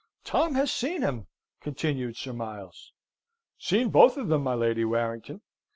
"Tom has seen him," continued Sir Miles. "Seen both of them, my Lady Warrington.